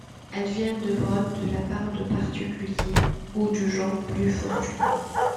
Elles viennent de Brottes, de la part de particuliers ou de gens plus fortunés.